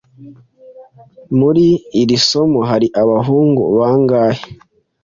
Muri iri somo hari abahungu bangahe?